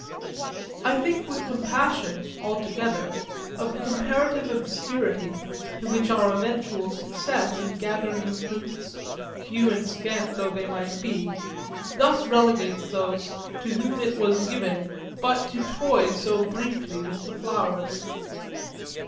I think with compassion, altogether, of the comparative obscurity to which our eventual success in gathering the fruits, few and scant though they might be, thus relegates those to whom it was given but to toy so briefly with the flowers.